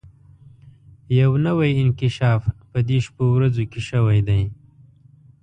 يو نوی انکشاف په دې شپو ورځو کې شوی دی.